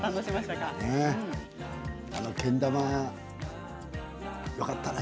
あのけん玉よかったね。